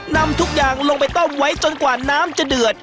นำทุกอย่างลงไปต้มไว้จนกว่าน้ำจะเดือด